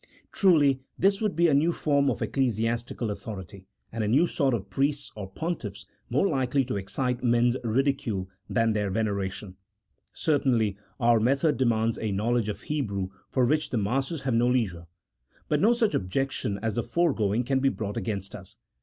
Truly this would be a new form of ecclesiastical autho rity, and a new sort of priests or pontiffs, more likely to excite men's ridicule than their veneration. Certainly our method demands a knowledge of Hebrew for which the masses have no leisure ; but no such objection as the fore going can be brought against us.